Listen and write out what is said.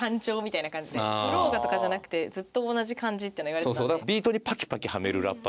「フロウが」とかじゃなくてずっと同じ感じっていうのは言われてたんで。